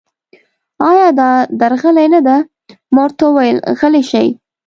ایا دا درغلي نه ده؟ ما ورته وویل: غلي شئ.